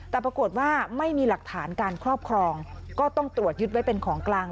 แต่ปรากฏว่าไม่มีหลักฐานการครอบครองก็ต้องตรวจยึดไว้เป็นของกลาง